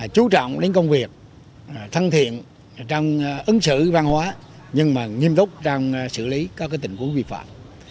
chú trọng đến công việc thân thiện trong ứng xử văn hóa nhưng mà nghiêm túc trong xử lý các tình huống vi phạm